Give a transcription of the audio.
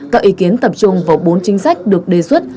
các ý kiến tập trung vào bốn chính sách được đề xuất